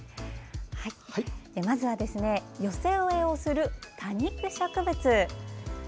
まずは、寄せ植えをする多肉植物。